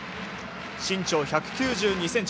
身長１９２ｃｍ。